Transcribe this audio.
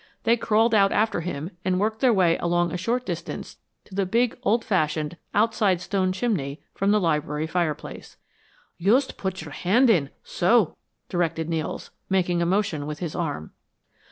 They crawled out after him and worked their way along a short distance to the big, old fashioned, outside stone chimney from the library fireplace. "Yust put your hand in so," directed Nels, making a motion with his arm.